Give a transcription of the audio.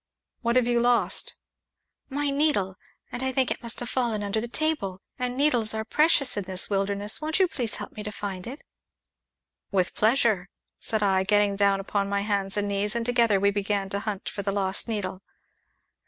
"What have you lost?" "My needle! I think it must have fallen under the table, and needles are precious in this wilderness; won't you please help me to find it?" "With pleasure!" said I, getting down upon my hands and knees, and together we began to hunt for the lost needle.